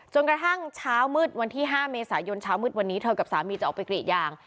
กระทั่งเช้ามืดวันที่๕เมษายนเช้ามืดวันนี้เธอกับสามีจะออกไปกรีดยาง